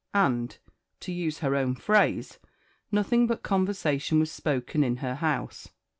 and, to use her own phrase, nothing but conversation was spoken in her house.